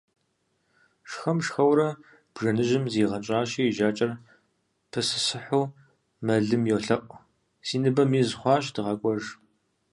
Шхэм–шхэурэ, бжэныжьым зигъэнщӀащи и жьакӀэр пысысыхьу мэлым йолъэӀу: - Си ныбэм из хуащ, дыгъэкӀуэж.